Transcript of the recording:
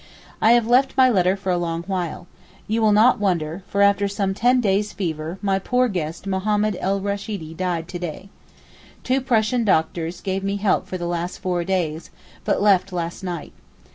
I have left my letter for a long while. You will not wonder—for after some ten days' fever, my poor guest Mohammed Er Rasheedee died to day. Two Prussian doctors gave me help for the last four days, but left last night.